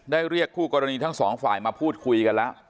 เรียกคู่กรณีทั้งสองฝ่ายมาพูดคุยกันแล้ว